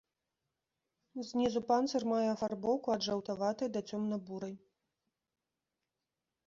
Знізу панцыр мае афарбоўку ад жаўтаватай да цёмна-бурай.